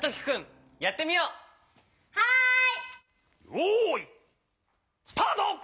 よいスタート！